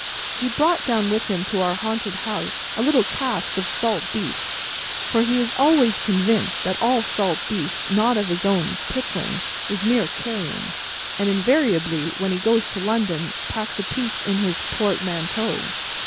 He brought down with him to our haunted house a little cask of salt beef; for, he is always convinced that all salt beef not of his own pickling, is mere carrion, and invariably, when he goes to London, packs a piece in his portmanteau.